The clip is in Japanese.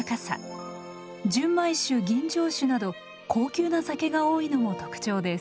純米酒吟醸酒など高級な酒が多いのも特徴です。